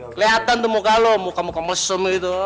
kelihatan tuh muka lu muka muka mesem gitu